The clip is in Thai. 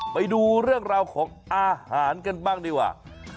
ไปดูเรื่องราวของอาหารกันบ้างดีกว่า